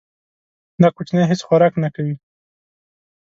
دا کوچنی هیڅ خوراک نه کوي.